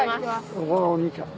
そのお兄ちゃん。